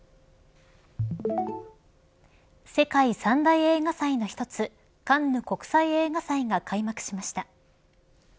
世界三大映画祭の一つカンヌ国際映画祭が開幕しました。